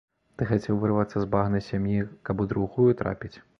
Ты хацеў вырвацца з багны сям'і, каб у другую трапіць?